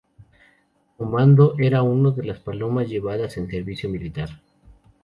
Commando era una de las palomas llevadas en servicio militar.